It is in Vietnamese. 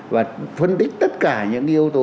và phân tích tất cả những yếu tố